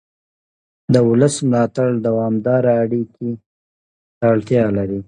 د ولس ملاتړ دوامداره اړیکې ته اړتیا لري